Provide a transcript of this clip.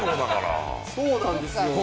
そうなんですよ。